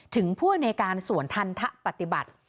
ถึงพูดในการสวนทันทะปฏิบัติ